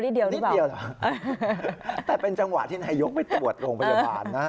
นิดเดียวหรือเปล่าแต่เป็นจังหวะที่นายยกไปตรวจโรงพยาบาล